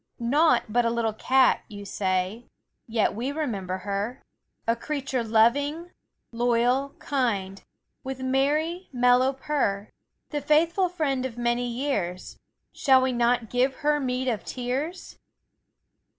Naught but a little cat, you say; Yet we remember her, A creature loving, loyal, kind, With merry, mellow purr; The faithful friend of many years, Shall we not give her meed of tears?